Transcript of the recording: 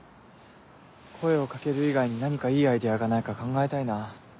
声を掛ける以外に何かいいアイデアがないか考えたいな。